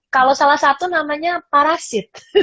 kalau salah satu namanya parasit